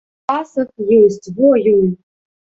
Пасаг ёсць, во ён.